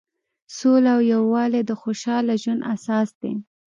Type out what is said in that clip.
سوله او یووالی د خوشحاله ژوند اساس دی.